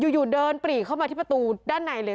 อยู่เดินปรีเข้ามาที่ประตูด้านในเลย